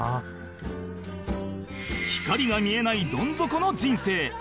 光が見えないどん底の人生